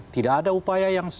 tidak ada upaya yang